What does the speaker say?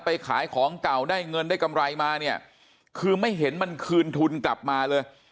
ขายของเก่าได้เงินได้กำไรมาเนี่ยคือไม่เห็นมันคืนทุนกลับมาเลย